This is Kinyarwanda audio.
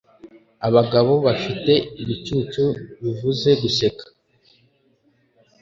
Abagabo bafite ibicucu bivuze guseka